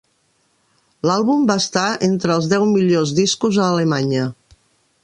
L'àlbum va estar entre els deu millors discos a Alemanya.